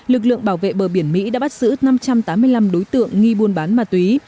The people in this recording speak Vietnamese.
lực lượng bảo vệ bờ biển mỹ đã bắt giữ năm trăm tám mươi năm đối tượng nghi buôn bán ma túy